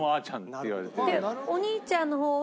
でお兄ちゃんの方は。